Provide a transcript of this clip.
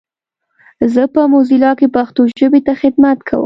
زه په موزیلا کې پښتو ژبې ته خدمت کوم.